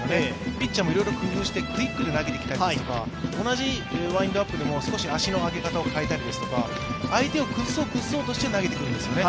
ピッチャーもいろいろ工夫してクイックで投げてきたりとか同じワインドアップでも少し足の上げ方を変えたりですとか、相手を崩そう崩そうとして投げてくるんですよね。